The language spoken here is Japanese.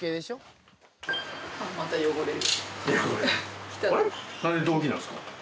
また汚れる。